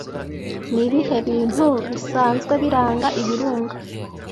Ni ibihe bintu bisanzwe biranga ibirunga